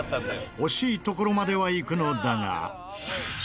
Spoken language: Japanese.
惜しいところまではいくのだが。